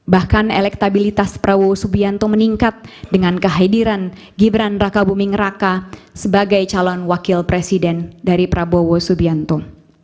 bahkan elektabilitas prabowo subianto meningkat dengan kehadiran gibran raka buming raka sebagai calon wakil presiden dari prabowo subianto